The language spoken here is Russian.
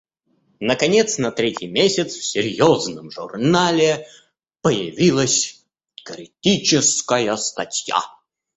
Наконец на третий месяц в серьезном журнале появилась критическая статья.